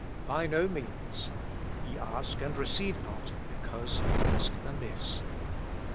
By no means. '* Ye ask and receive not, because ye ask amiss."